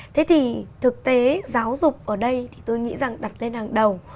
thế thì thực tế giáo dục ở đây thì tôi nghĩ rằng đặt lên hàng đầu